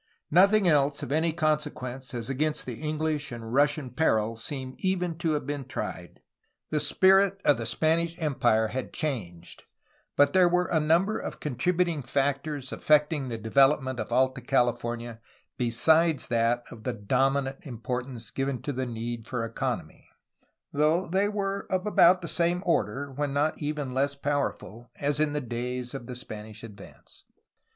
Nothing else of any consequence as against the English and Russian peril seems even to have been tried. The spirit of the Spanish Empire had changed, but there were a number of contributing factors as affecting the development of Alta California besides that of the dominant importance given to the need for economy, though they THE AFTERMATH 347 were of about the same order (when not even less powerful) as in the days of the Spanish advance.